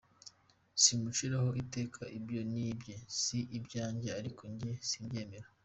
Simuciraho iteka ibyo ni ibye si ibyanjye ariko njye simbyemera.